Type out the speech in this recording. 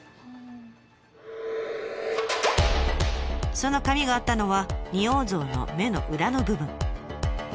その紙があったのは仁王像の目の裏の部分。